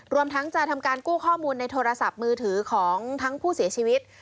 รวมทั้งจะทำการกู้ข้อมูลในโทรศัพท์มือถือของทั้งผู้เสียชีวิต